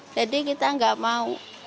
jadi kita nggak mau